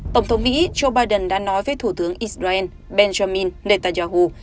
tổng thống mỹ joe biden đã nói với thủ tướng israel benjamin netanyahu